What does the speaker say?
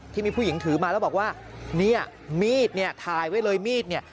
ที่มีผู้หญิงถือมาแล้วบอกว่านี่มีดถ่ายไว้เลยมีด